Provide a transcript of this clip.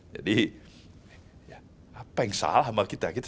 apa yang salah sama kita